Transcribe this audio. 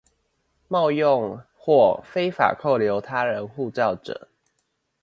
冒用或非法扣留他人護照者